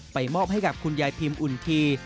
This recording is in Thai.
มอบให้กับคุณยายพิมอุ่นที